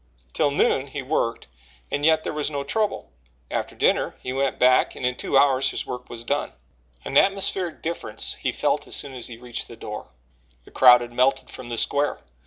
Till noon he worked and yet there was no trouble. After dinner he went back and in two hours his work was done. An atmospheric difference he felt as soon as he reached the door. The crowd had melted from the square.